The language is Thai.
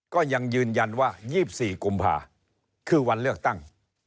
ก็ยังยืนยันว่า๒๔กุมภาคือวันเลือกตั้ง